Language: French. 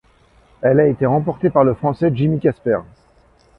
Elle a été remportée par le Français Jimmy Casper.